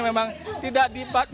memang tidak dapat